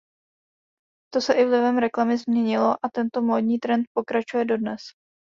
To se i vlivem reklamy změnilo a tento módní trend pokračuje dodnes.